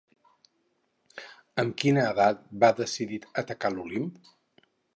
Amb quina edat van decidir atacar l'Olimp?